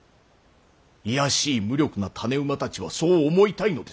卑しい無力な種馬たちはそう思いたいのです。